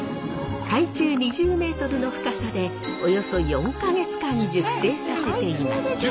海中２０ｍの深さでおよそ４か月間熟成させています。